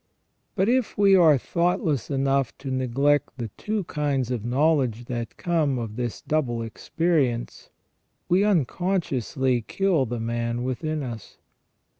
But if we are thought less enough to neglect the two kinds of knowledge that come of this double experience, we unconsciously kill the man within us.